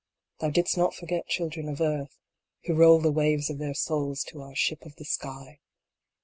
Thou didst not forget children of earth, who roll the waves of their souls to our ship of the sky.